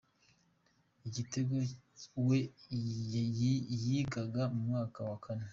Igitego we yigaga mu mwaka wa kane.